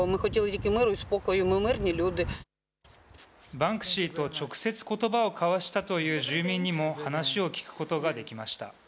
バンクシーと直接ことばを交わしたという住民にも話を聞くことができました。